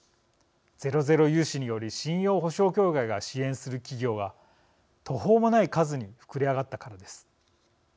ゼロゼロ融資により信用保証協会が支援する企業は途方もない数に膨れ上がったからです。